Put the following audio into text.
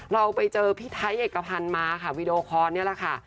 เราไปเจอพี่ไทยเอกพันธ์มาค่ะวีดีโอคอร์นี่แหละค่ะ